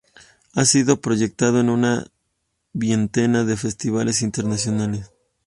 Ha sido proyectado en una veintena de festivales internacionales.